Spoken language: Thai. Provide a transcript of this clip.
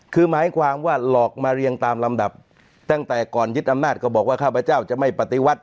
คือหมายความว่าหลอกมาเรียงตามลำดับตั้งแต่ก่อนยึดอำนาจก็บอกว่าข้าพเจ้าจะไม่ปฏิวัติ